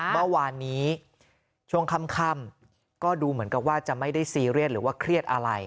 เมื่อวานนี้ช่วงค่ำก็ดูเหมือนกับว่าจะไม่ได้ซีเรียสหรือว่าเครียดอะไร